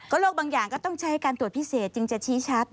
โรคบางอย่างก็ต้องใช้การตรวจพิเศษจึงจะชี้ชัด